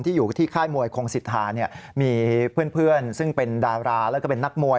อยู่ที่ค่ายมวยคงสิทธาเนี่ยมีเพื่อนซึ่งเป็นดาราแล้วก็เป็นนักมวย